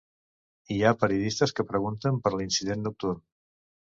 Hi ha periodistes que pregunten per l'incident nocturn.